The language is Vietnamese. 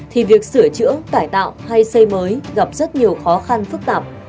thì việc sửa chữa cải tạo hay xây mới gặp rất nhiều khó khăn phức tạp